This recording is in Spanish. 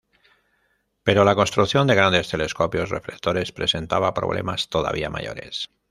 Pero la construcción de grandes telescopios reflectores presentaba problemas todavía mayores.